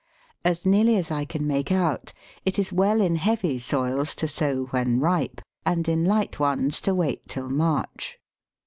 As nearly as I can make out, it is well in heavy soils to sow when ripe, and in light ones to wait till March.